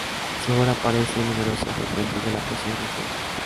Su obra aparece en numerosos recuentos de la poesía reciente.